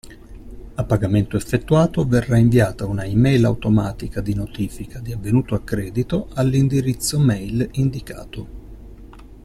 A pagamento effettuato verrà inviata una e-mail automatica di notifica di avvenuto accredito all'indirizzo mail indicato.